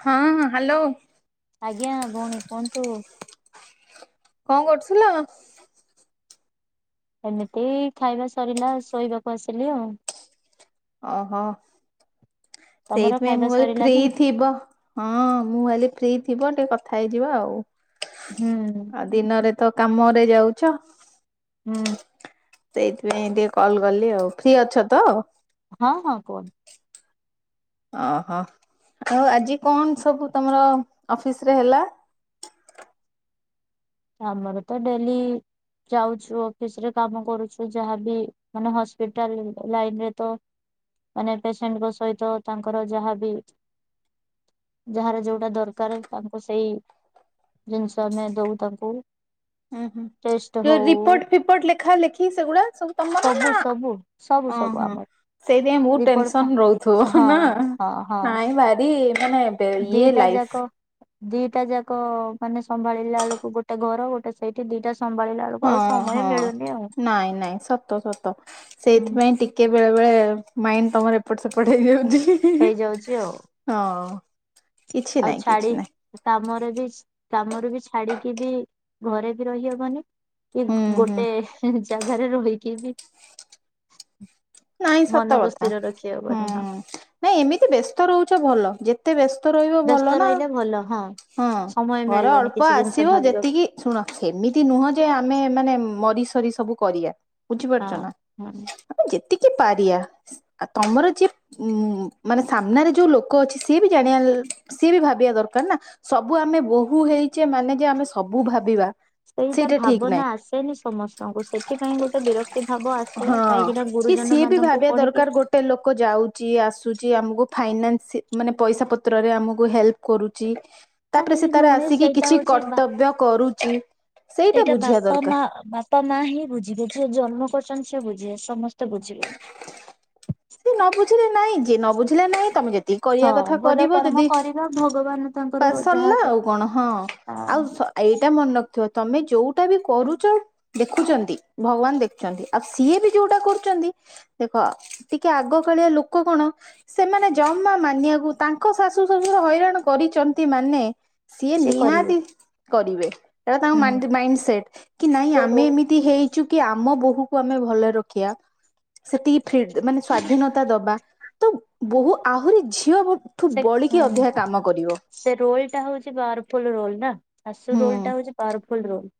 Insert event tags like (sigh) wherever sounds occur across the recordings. ହଁ ହାଲୋ। ଆଜ୍ଞା ଭଉଣୀ କୁହନ୍ତୁ। କଁ କରୁଥିଲ? ଏମିତି ଖାଇବା ସରିଲା, ଶୋଇବାକୁ ଆସିଲି ଆଉ। ଓହୋ। ତମର ସେଇଥିପାଇଁ ଖାଇବା ମୁଁ ଭାବିଲି ଫ୍ରି ସରିଲାନି? ଥିବ, ହଁ ମୁଁ ଭାବିଲି ଫ୍ରି ଥିବ ଟିକେ କଥା ହେଇଯିବା ଆଉ, ହୁଁ ଆଉ ଦିନରେ ତ କାମରେ ଯାଉଛ। ହୁଁ। ସେଇଥିପାଇଁ ଟିକେ କଲ କଲି ଆଉ ଫ୍ରୀ ଅଛ ତ? ହଁ ହଁ କୁହନ୍ତୁ। ଓ ହୋ ଆଉ ଆଜି କଣ ସବୁ ତମର ଅଫିସ ରେ ହେଲା? (unintelligible) ଆ ଆମର ତ ଡେଲି ଯାଉଛୁ ଅଫିସ ରେ କାମ କରୁଛୁ ଯାହାବି ମାନେ ହସ୍ପିଟାଲ ଲାଇନ ରେ ତ ମାନେ ପେସେଣ୍ଟଙ୍କ ସହିତ ତାଙ୍କର ଯାହାବି ଯାହାର ଯୋଉଟା ଦରକାର ତାଙ୍କୁ ସେଇ ଜିନିଷ ଆମେ ଦଉ ତାଙ୍କୁ। ହୁ। ହୁଁ ହୁଁ ଯୋଉ ରିପୋର୍ଟ ଫିପଟ ଲେଖା ଲେଖି ସେଗୁଡା ସବୁ ତମର? ସବୁ ସବୁ ଓହୋ। ଆମର। ସେଇଥିପାଇଁ ବହୁ ରିପୋର୍ଟ ଟେନସନ ଫା- ରହୁଥିବ ହଁ ନା ହଁ ହଁ ନାଇଁ ଭାରି। ମାନେ ଇଏ ଦିଟା ଲାଇଫ୍ ଯାକ ଦିଟା ଯାକ ମାନେ ସମ୍ଭାଳିଲା ବେଳକୁ ଗୋଟେ ଘର ଗୋଟେ ସେଇଠି ଦିଟା ସମ୍ଭାଳିଲା ବେଳକୁ ଆଉ ହଁ ସମୟ ହଁ। ମିଳୁନି ଆଉ ନାଇଁ ନାଇଁ ସତ ସତ ସେଇଥିପାଇଁ ଟିକେ ବେଳେ ବେଳେ ମାଇଣ୍ଡ ତମର ଏପଟ ସେପଟ ହେଇଯାଉଛି ହେଇଯାଉଛି ଆଉ ହଁ। କିଛି ଆଉ ନାଇଁ କିଛି ଛାଡି ନାଇଁ କାମରେ ବି କାମରେ ବି ଛାଡିକି ବି ଘରେ ବି ରହିହବନି କି ହୁଁ ହୁଁ ଗୋଟେ ଜାଗାରେ ରହିକି ବି (unintelligible) ନାଇଁ ସତ ମନକୁ କଥା ସ୍ଥିର ହୁଁ ରଖିହବନି ହଁ ନାଇଁ ଏମିତି ବ୍ୟସ୍ତ ରହୁଛ ଭଲ ଯେ ଏତେ ବ୍ୟସ୍ତ ରହିବ ଭଲ ବ୍ୟସ୍ତ ନାଁ। ରହିଲେ ଭଲ ହଁ ସମୟ ଘର ମିଳିବନି ଅଳ୍ପ କିଛି ଜିନିଷ ଆସିବ ଭାବିବାକୁ ଯେତିକି ଶୁଣ ସେମିତି ନୁହଁ ଯେ ଆମେ ମାନେ ମରି ସରି ସବୁ କରିବା ବୁଝିପାରୁଛ ହଁ ନାଁ ହଁ ଆମେ ଯେ ଏତିକି ପାରିଆ ତମର ଯିଏ ଉଁ ମାନେ ସାମ୍ନାରେ ଯୋଉ ଲୋକ ଅଛି ସିଏ ବି ଜାଣିବା ସିଏ ବି ଭାବିବା ଦରକାର ନା ସବୁ ଆମେ ବୋହୁ ହେଇଛେ ମାନେ ଯେ ଆମେ ସବୁ ଭାବିବା। ସେଇଟା ଠିକ ନାହିଁ ଭାବନା ଆସେନି ସମସ୍ତଙ୍କୁ ସେଥିପାଇଁ ଗୋଟେ ବିରକ୍ତି ଭାବ ଆସେ ହଁ। କାହିଁକି ନାଁ। କି ସିଏ ବି ଭାବିବା ଦରକାର ଗୋଟେ ଲୋକ ଯାଉଛି ଆସୁଛି। ଆମକୁ ଫାଇନାନ୍ସ ମାନେ ପଇସା ପତ୍ରରେ ଆମକୁ ହେଲ୍ପ କରୁଛି। ନା ତାପରେ ସେ ଏଇ ତାର ଭଉଣୀ ଆସିକି କିଛି କର୍ତ୍ତବ୍ୟ କରୁଛି। ସେଇଟା ଏଇଟା ବୁଝିବା ବାପା ଦରକାର। ମା ବାପା ମା ହିଁ ବୁଝିବେ ଯି ଜନ୍ମ କରି ପ୍ରଶଂସ ବୁଝିବେ ସମସ୍ତେ ବୁଝିବେନି। ସେ ନ ବୁଝିଲେ ନାଇଁ ଯିଏ ନ ବୁଝିଲେ ନାହିଁ ତମେ ଯେତିକି ହଁ କରିବା କଥା ଭଲ କରିବ କର୍ମ ଯଦି କରିବା ଭଗବାନ ପା ତାଙ୍କର ଯାହା ସରିଲା ଆଉ କଣ ହଁ ହଁ ଆଉ ଏଇଟା ମନେକ ତମେ ଯୋଉଟା ବି କରୁଛ ଦେଖୁଛନ୍ତି ଭଗବାନ ଦେଖୁଛନ୍ତି ଆଉ ସିଏ ବି ଯୋଉଟା କରୁ ଦେଖ ଟିକେ ଆଗକାଳିଆ ଲୋକ କଣ ସେମାନେ ଜମା ମାନିବାକୁ ତାଙ୍କ ଶାଶୁ ଶ୍ୱଶୁରୁର ହଇରାଣ କରିଛନ୍ତି ମାନେ ସିଏ ସେ କରିବେ ନିହାତି କରିବେ। ଏଟା ହୁଁ ତାଙ୍କ ମାଇଣ୍ଡ ସେଟ କି ନାଇଁ ସେ ରୋ ଆମେ ଏମିତି ହେଇଛୁ କି ଆମ କୁ ଆମେ ଭଲ ରଖିବା ସେତିକି ଫେ ସ୍ଵାଧୀନତା ଦବା। ତ ବୋହୁ ଆହୁରି ଝିଅଠୁ ସେ ବଳିକି ଅଧିକା କାମ କରିବ ସେ ରୋଲ ଟା ହଉଛି ବାରଫୁଲ ରୋଲ ନାଁ ଶାଶୁ ହୁଁ। ରୋଲ ଟା ହଉଛି ପାଉଁରଫୁଲ ରୋଲ।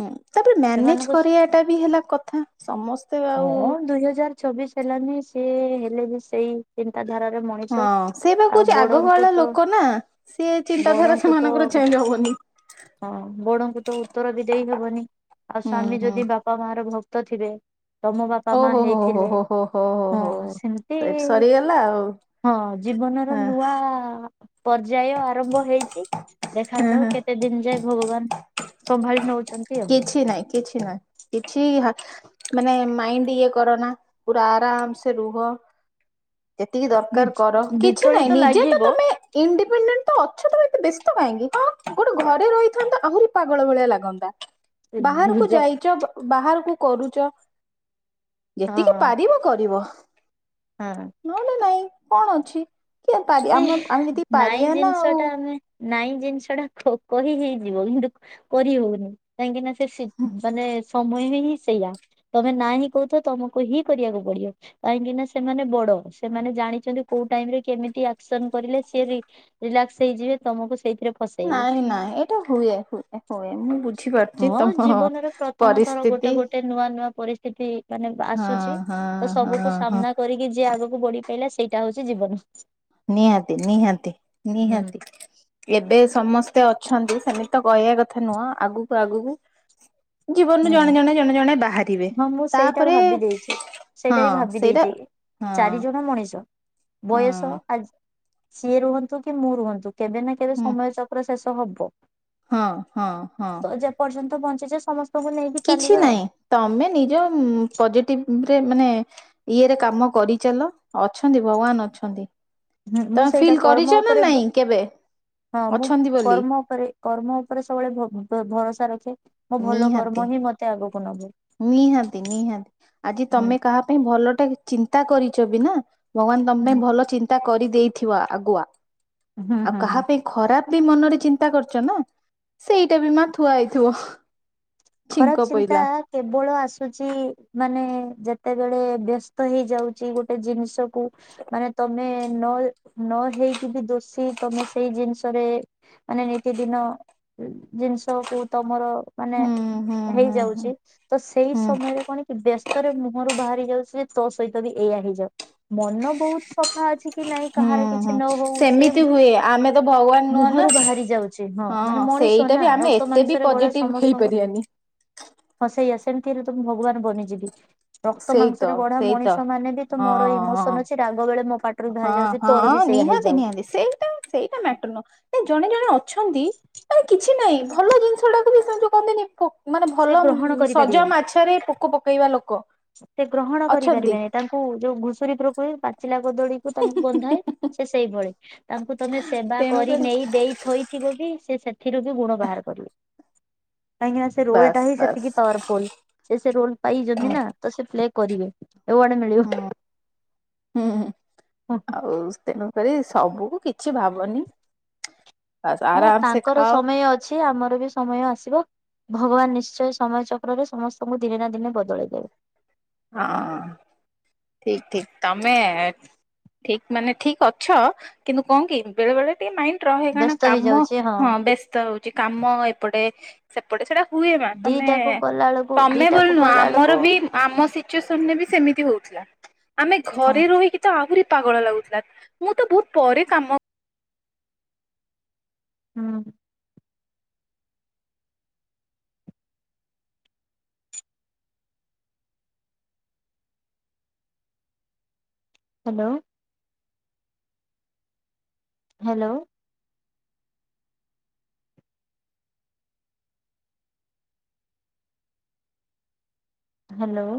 ହୁଁ ତାପରେ ମ୍ୟାନେଜ ସେମାନଙ୍କୁ କରିବା ଟା ବି ହେଲା କଥା ସମସ୍ତ ହଁ ଦୁଇ ହଜାର ଛବିଶ ହେଲାନି ସି ହେଲେ ବି ସେଇ ଚିନ୍ତା। ହଁ ସେଇ ବା କହୁଛି ଆଗକାଳ ତ ଲୋକ ନା ସିଏ ଚିନ୍ତାଧାରା ବଡଙ୍କୁ ତ ସେମାନଙ୍କର ଚେଞ୍ଜ ହବନି। ହଁ ବଡଙ୍କୁ ତ ଉତ୍ତର ବି ଦେଇ ହବନି ଆଉ ହୁଁ ସ୍ଵାମୀ ହୁଁ ଯଦି ବାପା ମା ର ଭକ୍ ତ ଥିବେ ତମ ବାପା ମା ଓହୋ ହୋ ହୋ ହେଇଥିଲେ ହୋ ହୋ ହୋ ହୋ ହଁ ହୋ ସେମିତି ସେଇଠି ସରିଗଲା ଆଉ ହଁ ଜୀବନର ହଁ ନୂଆ ପର୍ଯ୍ୟାୟ ଆରମ୍ଭ ହେଇଛି। ହଁ ଦେଖାଯାଉ ହଁ କେତେ ଦିନ ଯାଏ ଭଗବାନ ସମ୍ଭାଳି ନଉଚ କିଛି ନାହିଁ କିଛି ନାହିଁ କିଛି ମାନେ ମାଇଣ୍ଡ ଇଏ କରନା ପୁରା ଆରାମ ସେ ରୁହ। ଯେତିକି ଦରକାର ବିଚ୍ କର କିଛି ବିଚଳିତ ନାହିଁ। ନିଜେ ତ ଲାଗିବ ତମେ ଇଣ୍ଡିପେଣ୍ଡେଣ୍ଟ ତ ଅଛ। ତମେ ଏତେ ବେ କାହିଁକି? କଣ ଗୋଟେ ଘରେ ରହିଥାନ୍ତ ଆହୁରି ପାଗଳ ଭଳିଆ ଲାଗନ୍ତା। ବାହାରକୁ ଭୁଜ ଯାଇଛ ବାହାରକୁ କରୁଛ। ହଁ ଯେତିକି ପାରିବ କରିବ। ହଁ ନହେଲେ ନାଇଁ କଣ ଅଛି? କିଏ ପାରି ସେ ଆମ ଆମେ ଯଦି ନାଇଁ ପାରିବା ନା ଜିନିଷ ଆଉ ଟା ଆମେ ନାଇଁ ଜିନିଷ ଟା କ କହି ହେଇଯିବ କିନ୍ତୁ କରିହଉନି। କାହିଁକି ନା ସେ ସି ମାନେ ସମୟ ହିଁ ସେଇୟା। ତମେ ନାହିଁ କହୁଥିବ ତମକୁ ହିଁ କରିବାକୁ ପଡିବ। କାହିଁକି ନା ସେମାନେ ବଡ ଡ ସେମାନେ ଜାଣିଛନ୍ତି। କୋଉ ଟାଇମରେ କେମିତି ଆକ୍ସନ କରିଲେ ସେ ରି ରିଲାକ୍ସ୍ ହେଇଯିବେ। ତମ ନାଇଁ, ନାଇଁ ଏଇଟା ହୁଏ, ହୁଏ, ହୁଏ। ମୁଁ ବୁଝିପାରୁଛି ତମ ପରି ତର ଗୋଟେ ଗୋଟେ ନୂଆ ନୂଆ ପରିସ୍ ସ୍ତିତି ମାନେ ହଁ ଆସୁଛି ହଁ ତ ସବୁକୁ ହଁ ହଁ ସାମ୍ନା କରିକି ଯିଏ ଆଗକୁ ବଢି ପାଇଲା ସେଇଟା ହଉଛି ଜୀବନ। ନିହାତି ନିହାତି ହୁଁ ନିହାତି ଏବେ ସମସ୍ତ କେତେ ଅଛନ୍ତି। ସେମିତି ତ କହିବା କଥା ନୁହଁ। ଆଗକୁ ଆଗକୁ ଜୀବନରୁ ହୁଁ। ଜଣେ ଜଣେ ଜଣେ ଜଣେ ବାହାରିବେ। ହଁ ମୁଁ ସେଇଟା ତାପରେ ଭାବି ଦେଇଛି ହଁ ସେଇଟା ବି ଭାବି ସେଇଟା ଦେଇଛି। ହଁ। ଚାରି ଜଣ ମଣିଷ ହଁ ବୟସ ଆଜି ସିଏ ରୁହନ୍ତୁ କି ମୁଁ ରୁହନ୍ତୁ କେବେ ନା କେବେ ହଁ ସମୟ ଚକ୍ର ଶେଷ ହବ। ହଁ, ହଁ, ହଁ। ବଞ୍ଚିଛ ସମସ୍ତେ କିଛି ନାହିଁ। ତମେ ନିଜ ପଜିଟିଭ ମାନେ ଇଏରେ କାମ କରିଚାଲ ଅଛନ୍ତି ଭଗବାନ ଅଛନ୍ତି। ହୁଁ ମୁଁ ତମେ ସେଇଟା ଫିଲ୍ କର୍ମ କରିଛ ନା ଉପରେ ନାଇଁ କେବେ? ହଁ ମୁଁ ଅଛନ୍ତି ବୋଲି କର୍ମ ଉପରେ କର୍ମ ଉପରେ ସବୁବେଳେଭ ଭ ଭରସା ରଖେ। ମୋ ଭଲ ନିହାତି କର୍ମ ହିଁ ମତେ ଆଗକୁ ନବ ନିହାତି ନିହାତି। ଆଜି ହୁଁ। ତମେ କାହା ପାଇଁ ଭଲଟା ଚିନ୍ତା କରିଛ ବି ନା ଭଗବାନ ତମ ହୁଁ ପାଇଁ ଭଲ ଚିନ୍ତା କରିଦେଇଥିବ ଆଗୁଆ ହୁଁ ହୁଁ ଆଉ ହୁଁ। କାହା ପାଇଁ ଖରାପ ବି ମନରେ ଚିନ୍ତା କରୁଛ ନା ସେଇଟା ବି ମା ଥୁଆ ହେଇଥିବ। ଛିଙ୍କ ଖରାପ ଚିନ୍ତା ପଇଲା କେ ବଳ ଆସୁଛି ମାନେ ଯେତେବେଳେ ବ୍ୟସ୍ତ ହେଇଯାଉଛି ଗୋଟେ ଜିନିଷକୁ ମାନେ ତମେ ନ ନ ହେଇକି ବି ଦୋଷୀ। ତମେ ସେଇ ଜିନିଷରେ ମାନେ ନିତି ଦିନ ଜିନିଷକୁ ତମର ମାନେ ହୁଁ ହୁଁ ହୁଁ ହୁଁ ହେଇଯାଉଛି। ତ ସେଇ ହୁଁ ସମୟରେ କଣ କି ବ୍ୟସ୍ତରେ ମୁହଁରୁ ବାହାରି ଯାଉଛି। ଯେ ତୋ ସହିତ ବି ଏଇଆ ହେଇଯାଉ। ମନ ବହୁତ ସ ଫା ଅଛି କି ନାଇଁ ହୁଁ କାହାର କିଛି ହୁଁ ନ ହଉ ସେ ସେମିତି ହୁଏ ଆମେ ତ ଭଗବାନ ନୁହଁ ନା ମୁହଁରୁ ବାହାରି ଯାଉଛି। ହଁ ମାନେ ମଣିଷ ସେଇଟା ନା ବି ଆମେ ରକ୍ତ ଏତେ ବି ମାଂସରେ ଗଢ଼ା ପଜିଟିଭ ହେଇପାରିବାନି। ସମସ୍ତଙ୍କର (inaudible) ସେଇଆ ସେମିତି ହେଲେ ତ ମୁଁ ଭଗବାନ ବନଯିବି। ରକ୍ତ ସେଇ ତ ମାଂସରେ ଗଢା ସେଇ ତ ମଣିଷ ମାନେ ବି ତ ହଁ ମୋର ହଁ ଇମୋସନ ଅଛି। ରାଗ ବେଳେ, ମୋ ପାଠ ହଁ, ହଁ। ନିହାତି ନିହାତି ସେଇଟା ସେଇଟା ମ୍ୟାଟର ନୁହଁ ଜଣେ ଜଣେ ଥାନ୍ତି କିଛି ନାଇଁ ଭଲ ଜିନିଷ ଟାକୁ ବି ସେ ଯୋଉ କୁହନ୍ତିନି ମାନେ ସେ ଭଲ ଗ୍ରହଣ ସଜା କରିପାରିବେନି ମାଛରେ ପୋକ ପକେଇବା ଲୋକ। ସେ ଗ୍ରହଣ ଅଛନ୍ତି। କରିପାରିବେନି। ତାଙ୍କୁ ଯୋଉ ଘୁଷୁରୀ ପ୍ରକୁଟି ପା କଦଳୀକୁ ତାଙ୍କୁ ଗନ୍ଧାଏ। ସେ ସେଇଭଳି ତାଙ୍କୁ ତମେ ସେବା କରି ତେଣୁକରି ନେଇ ଦେଇ ଥୋଇଥିବ ବି ସେ ଏଥିରୁ ବି ଗୁଣ ବାହାର କରିବି। କାହିଁକିନା ସେ ରୋଲ ଟା ବାସ୍ ହିଁ ବାସ୍ ସେତିକି ପାୱାରଫୁଲ। ସେ ସେ ରୋଲ ପାଇଛନ୍ତି ନା। ତ ସେ ପ୍ଲେ କରିବେ। ଏୱାର୍ଡ ମିଳିବ। ହଁ, ହୁଁ ଆଉ ତେନ ଆରେ ସବୁକୁ କିଛି ଭାବନି। ବାସ୍ ହଁ ଆରାମ ସେ ତାଙ୍କର ଖାଅ। ସମୟ ଅଛି ଆମର ବି ସମୟ ଆସିବ। ଭଗବାନ ନିଶ୍ଚୟ ସମୟ ଚକ୍ରରେ ସମସ୍ତଙ୍କୁ ଦିନେ ନା ଦିନେ ବଦଳାଇ ଦେବେ। ହଁ ଠିକ ଠିକ ତମେ। ଠିକ ମାନେ ଠିକ ଅଛ କିନ୍ତୁ କଣ କି ବେଳେ ବଳେ ଟିକେ ମାଇଣ୍ଡ- ରହେ ବ୍ୟସ୍ତ କାମ ହେଇଯାଉଛି ହଁ ବ୍ୟସ୍ତ ହଉଛି କାମ ଏପଟେ ସେପଟେ ସେଟା- ହୁଏ ମା ତମେ ଦିଟାକୁ କଲା ବେଳକୁ ତମେ ବୋଲି ଦିଟାକୁ ନୁହଁ କଲା ଆମର ବେଳକୁ ବି ଆମ- ସିଚୁଏସନ୍ ରେ ବି ସେମିତି ହଉଥିଲା ଆମେ ହଁ ଘରେ ରହିକି ତ ଆମେ - ପାଗଳ ଲାଗୁଥିଲା ମୁଁ ତ ବହୁତ ପରେ କାମ- ହୁଁ। ହ୍ୟାଲୋ। ହ୍ୟାଲୋ। ହ୍ୟାଲୋ।